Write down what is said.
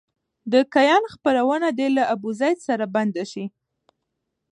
د کیان خپرونه دې له ابوزید سره بنده شي.